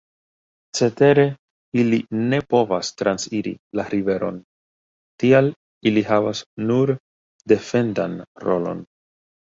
Cetere ili ne povas transiri la riveron; tial ili havas nur defendan rolon.